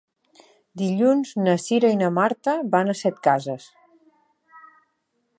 Dilluns na Cira i na Marta van a Setcases.